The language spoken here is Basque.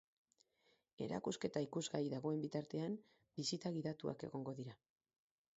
Erakusketa ikusgai dagoen bitartean, bisita gidatuak egongo dira.